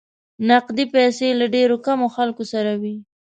نقدې پیسې له ډېرو کمو خلکو سره وې.